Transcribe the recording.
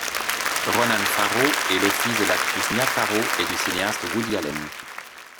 Ronan Farrow est le fils de l'actrice Mia Farrow et du cinéaste Woody Allen.